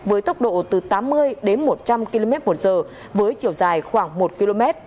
với tốc độ từ tám mươi đến một trăm linh km một giờ với chiều dài khoảng một km